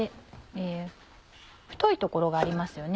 太い所がありますよね。